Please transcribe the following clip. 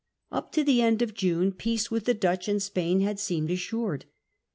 Up to the end of lune peace with the Dutch and Spain had seemed assured.